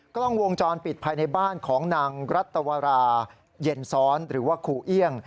กล้องวงจรปิดภายในบ้านของนางรัตวราเย็นซ้อนหรือว่าครูเอี่ยง